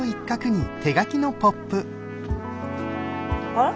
あれ？